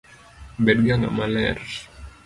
Bed ga ng’ama ler